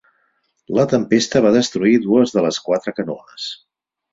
La tempesta va destruir dues de les quatre canoes.